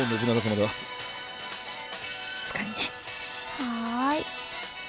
はい。